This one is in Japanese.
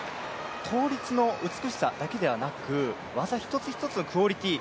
倒立の美しさだけではなく技一つ一つのクオリティー